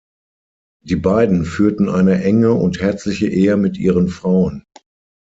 Die beiden führten eine enge und herzliche Ehe mit ihren Frauen.